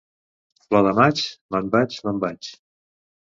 Flor de maig, me'n vaig, me'n vaig.